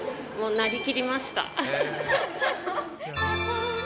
なりきりました。